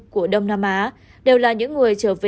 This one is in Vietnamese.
của đông nam á đều là những người trở về từ nam phi